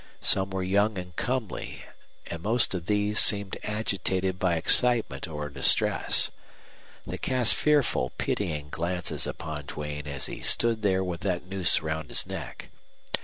Some were young and comely, and most of these seemed agitated by excitement or distress. They cast fearful, pitying glances upon Duane as he stood there with that noose round his neck.